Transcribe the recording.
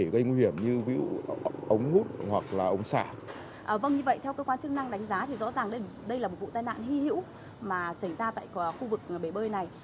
vâng như vậy theo cơ quan chức năng đánh giá thì rõ ràng đây là một vụ tai nạn hy hữu mà xảy ra tại khu vực bể bơi này